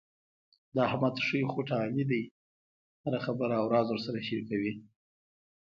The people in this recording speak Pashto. د احمد ښۍ خوټه علي دی، هره خبره او راز ورسره شریکوي.